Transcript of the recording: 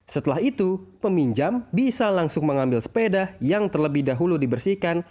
setelah itu peminjam bisa langsung mengambil sepeda yang terlebih dahulu dibersihkan